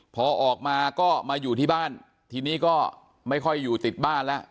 พอออกมาก็มาอยู่ที่บ้านทีนี้ก็ไม่ค่อยอยู่ติดบ้านแล้ว